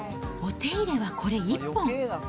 お手入れはこれ一本。